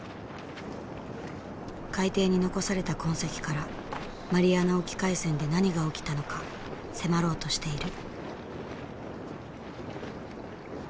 海底に残された痕跡からマリアナ沖海戦で何が起きたのか迫ろうとしている。